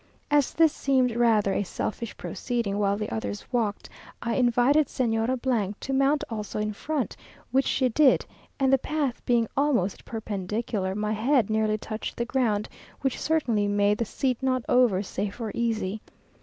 As this seemed rather a selfish proceeding while the others walked, I invited the Señora to mount also in front; which she did, and the path being almost perpendicular, my head nearly touched the ground, which certainly made the seat not over safe or easy.